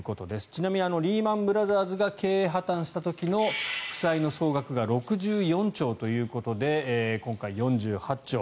ちなみにリーマン・ブラザーズが経営破たんした時の負債の総額が６４兆ということで今回、４８兆。